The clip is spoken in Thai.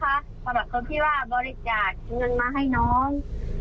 เพราะแบบที่ว่าบริจาคเงินมาให้น้อง